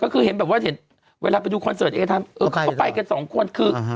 ก็คือเห็นแบบว่าเห็นเวลาไปดูคอนเสิร์ตเอทำเขาก็ไปกันสองคนคือ